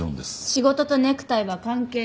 仕事とネクタイは関係ない。